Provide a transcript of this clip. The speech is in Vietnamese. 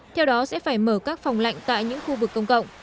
theo đó sẽ phải mở các phòng lạnh tại những khu vực công cộng